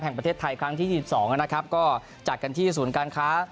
แห่งประเทศไทยครั้งที่๒๒นะครับก็จัดกันที่ศูนย์การค้า